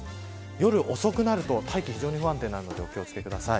夜遅くなると大気が非常に不安定になるのでお気を付けください。